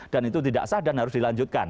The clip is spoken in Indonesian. dan itu tidak sah dan harus dilanjutkan